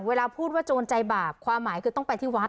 เวลาพูดว่าโจรใจบาปความหมายคือต้องไปที่วัด